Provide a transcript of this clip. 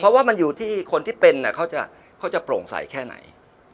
เพราะว่ามันอยู่ที่คนที่เป็นเขาจะโปร่งใสแค่ไหน